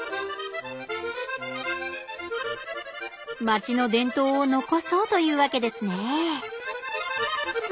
街の伝統を残そうというわけですね